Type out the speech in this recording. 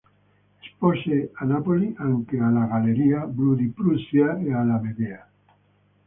Espose a Napoli anche alla Galleria "Blu di Prussia" e alla "Medea".